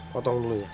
potong dulu ya